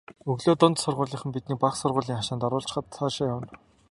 Өглөө дунд сургуулийнхан биднийг бага сургуулийн хашаанд оруулчихаад цаашаа явна.